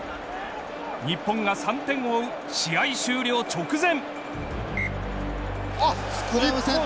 日本が３点を追う試合終了直前。